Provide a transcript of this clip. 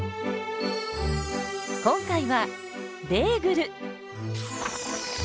今回はベーグル！